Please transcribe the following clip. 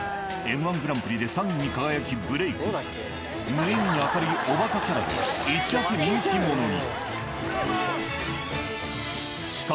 無意味に明るいおバカキャラで一躍人気者に。